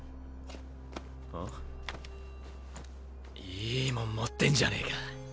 いいもん持ってんじゃねえか。